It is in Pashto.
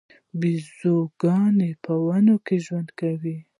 بیزوګان په ونو کې ژوند کوي